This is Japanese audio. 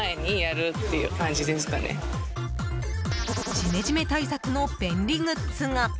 ジメジメ対策の便利グッズが。